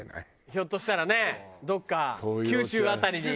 ひょっとしたらねどこか九州辺りに。